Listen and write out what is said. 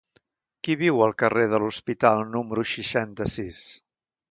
Qui viu al carrer de l'Hospital número seixanta-sis?